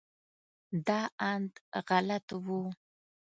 دا اند غلط و.